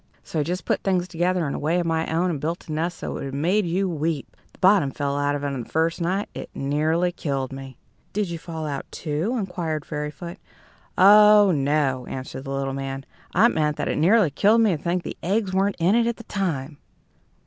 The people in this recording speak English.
So I just put things together in a way of my own, and built a nest that would have made you weep! The bottom fell out of it the first night. It nearly killed me." "Did you fall out, too?" inquired Fairyfoot. "Oh, no," answered the little man. "I meant that it nearly killed me to think the eggs weren't in it at the time."